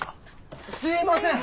すいません。